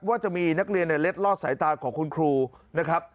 ว่าจะมีนักเรียนในเล็ดลอดสายตาของคุณครูนะครับ